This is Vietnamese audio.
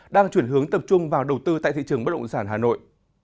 đang chuyển hướng tập trung vào đầu tư tại thị trường bất động sản hà nội